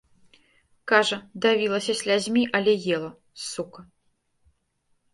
Кажа, давілася слязьмі, але ела, сука.